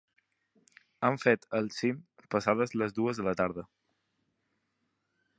Han fet el cim passades les dues de la tarda.